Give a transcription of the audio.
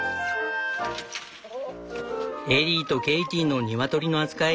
エリーとケイティのニワトリの扱い